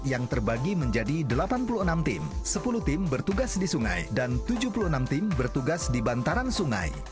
yang terbagi menjadi delapan puluh enam tim sepuluh tim bertugas di sungai dan tujuh puluh enam tim bertugas di bantaran sungai